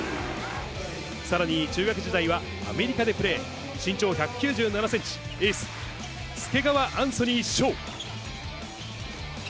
さらに、中学時代はアメリカでプレー、身長１９７センチ、エース、介川アンソニーしょう。